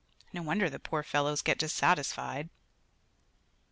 No wonder the poor fellows get dissatisfied."